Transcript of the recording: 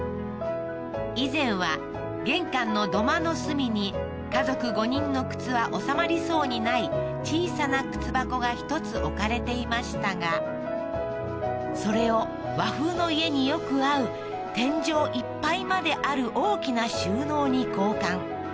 以前は玄関の土間の隅に家族５人の靴は収まりそうにない小さな靴箱が１つ置かれていましたがそれを和風の家によく合う天井いっぱいまである大きな収納に交換